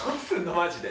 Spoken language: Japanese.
マジで。